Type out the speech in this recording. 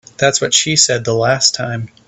That's what she said the last time.